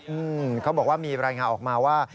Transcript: อืมเขาบอกว่ามีรายงานออกมาว่า